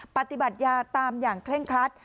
ปฏิบัติยาตามอย่างเคร่งครัด